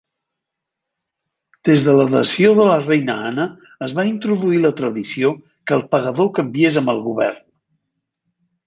Des de l'adhesió de la reina Anna, es va introduir la tradició que el pagador canviés amb el govern.